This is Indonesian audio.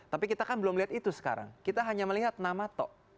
tapi kita kan belum lihat itu sekarang kita hanya melihat nama tok